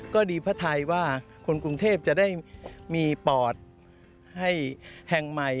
ก็ดีพระไทยว่าคนกรุงเทพจะได้มีปอดให้แห่งใหม่